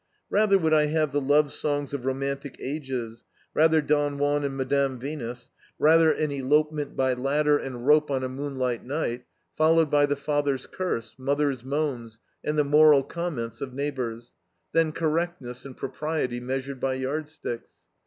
Rather would I have the love songs of romantic ages, rather Don Juan and Madame Venus, rather an elopement by ladder and rope on a moonlight night, followed by the father's curse, mother's moans, and the moral comments of neighbors, than correctness and propriety measured by yardsticks.